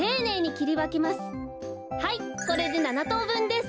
はいこれで７とうぶんです。